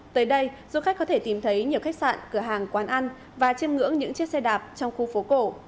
tới đây du khách có thể tìm thấy nhiều khách sạn cửa hàng quán ăn và chiêm ngưỡng những chiếc xe đạp trong khu phố cổ